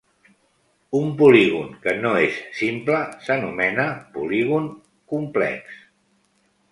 Un polígon que no és simple s'anomena polígon complex.